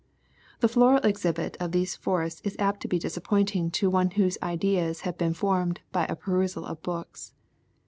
The floral exhibit of these forests is apt to be disappointing to one whose ideas have been formed by a perusal of books.